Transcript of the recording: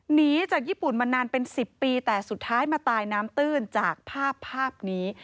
หนีจากญี่ปุ่นมานานเป็น๑๐ปีแต่สุดท้ายมาตายน้ำตื้นจากภาพภาพนี้